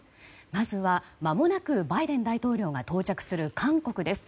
まずはまもなくバイデン大統領が到着する韓国です。